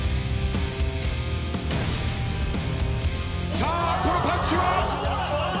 さあこのパンチは？